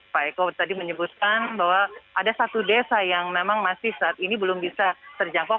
pak eko tadi menyebutkan bahwa ada satu desa yang memang masih saat ini belum bisa terjangkau